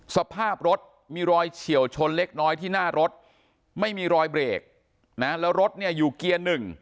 สภาพรถมีรอยเฉียวชนเล็กน้อยที่หน้ารถไม่มีรอยเบรกนะแล้วรถเนี่ยอยู่เกียร์หนึ่ง